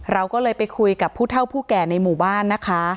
เราก็เลยไปคุยกับผู้เท่าผู้แก่ในหมู่บ้านนะคะ